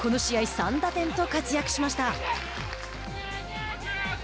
３打点と活躍しました。